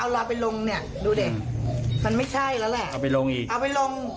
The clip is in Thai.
เอาละไปลงเนี้ยดูเด่นเขานั้นไม่ใช่แล้วแหละเอาไปลงอีกเอาไปลง